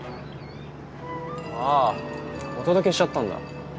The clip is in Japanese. ああお届けしちゃったんだ。